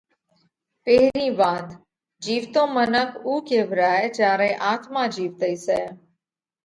پيرھين وات: جيوَتو منک اُو ڪيوَرائھ جيا رئي آتما جيوَتئي سئہ۔